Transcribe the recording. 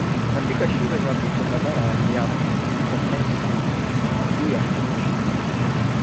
katika shule za kutwa badala ya kukomesa tabia hiyo shuleni